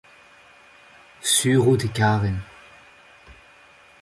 sur out e karen.